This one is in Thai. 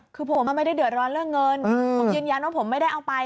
คือผมไม่ได้เดือดร้อนเรื่องเงินผมยืนยันว่าผมไม่ได้เอาไป